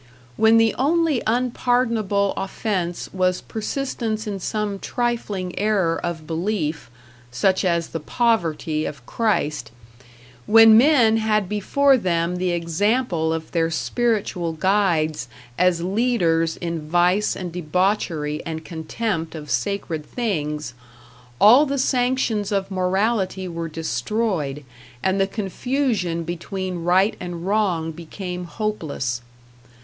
When the only unpardonable offence was persistence in some trifling error of belief, such as the poverty of Christ; when men had before them the example of their spiritual guides as leaders in vice and debauchery and contempt of sacred things, all the sanctions of morality were destroyed and the confusion between right and wrong became hopeless.